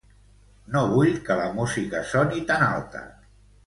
No vull que la música soni tan alta.